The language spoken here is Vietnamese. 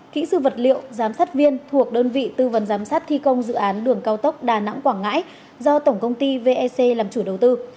kỹ sư vật liệu giám sát viên thuộc đơn vị tư vấn giám sát thi công dự án đường cao tốc đà nẵng quảng ngãi do tổng công ty vec làm chủ đầu tư